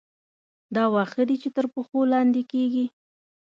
دا واښه دي چې تر پښو لاندې کېږي.